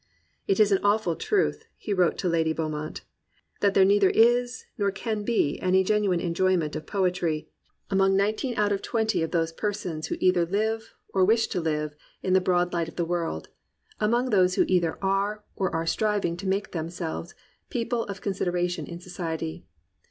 "It is an awful truth," wrote he to Lady Beaumont,, "that there neither is nor can be any genuine en joyment of poetry ^mong nineteen out of twenty 22a COMPANIONABLE BOOKS of those persons who either live or wish to live in the broad light of the world, — among those who either are, or are striving to make themselves, people of consideration in society.